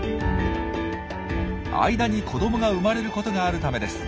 間に子どもが生まれることがあるためです。